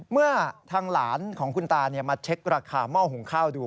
เมื่อทางหลานของคุณตามาเช็คราคาหม้อหุงข้าวดู